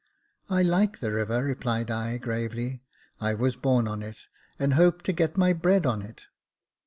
" I like the river," replied I, gravely ;I was born on it, and hope to get my bread on it."